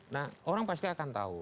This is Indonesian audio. nah orang pasti akan tahu